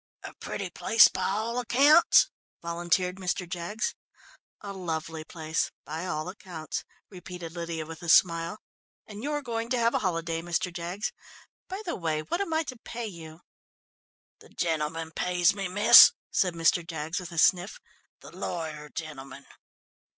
"A pretty place by all accounts," volunteered Mr. Jaggs. "A lovely place by all accounts," repeated Lydia with a smile. "And you're going to have a holiday, Mr. Jaggs. By the way, what am I to pay you?" "The gentleman pays me, miss," said Mr. Jaggs with a sniff. "The lawyer gentleman."